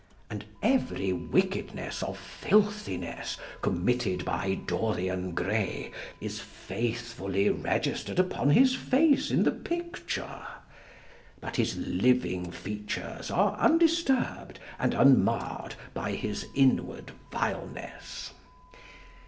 And every wickedness of filthiness committed by Dorian Gray is faithfully registered upon his face in the picture; but his living features are undisturbed and unmarred by his inward vileness.